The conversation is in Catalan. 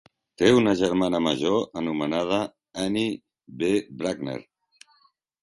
Té una germana major anomenada Annye V. Bruckner.